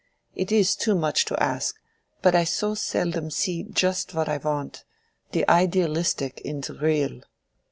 It is too much to ask; but I so seldom see just what I want—the idealistic in the real."